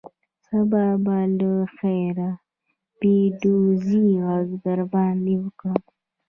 سبا به له خیره پیدوزي غږ در باندې وکړي.